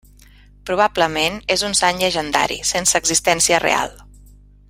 Probablement, és un sant llegendari, sense existència real.